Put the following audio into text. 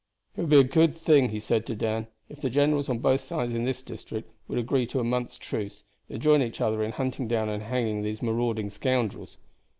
"It would be a good thing," he said to Dan, "if the generals on both sides in this district would agree to a month's truce, and join each other in hunting down and hanging these marauding scoundrels.